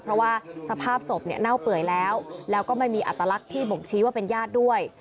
เพราะว่าสภาพศพเนี่ยเน่าเปื่อยแล้วแล้วก็ไม่มีอัตลักษณ์ที่บ่งชี้ว่าเป็นญาติด้วย